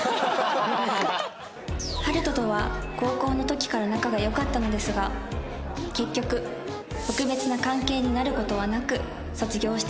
ハルトとは高校の時から仲が良かったのですが結局特別な関係になる事はなく卒業してしまいました